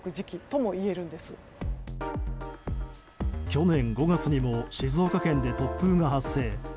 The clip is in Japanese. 去年５月にも静岡県で突風が発生。